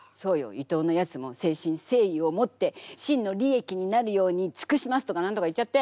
伊藤のやつも誠心誠意を持って清のりえきになるようにつくしますとか何とか言っちゃって！